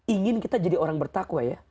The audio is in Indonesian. ingin kita jadi orang bertakwa ya